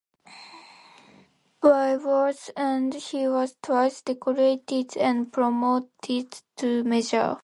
By war's end he was twice decorated and promoted to major.